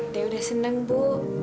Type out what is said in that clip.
dewi udah seneng bu